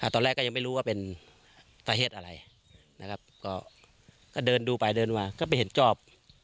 ตอนแรกก็ยังไม่รู้ว่าเป็นสาเหตุอะไรนะครับก็เดินดูไปเดินมาก็ไปเห็นจอบ